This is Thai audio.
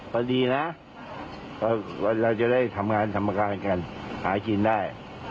ก็ดีนะเราจะได้ทำงานธรรมการกันหากินได้